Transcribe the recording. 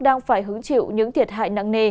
đang phải hứng chịu những thiệt hại nặng nề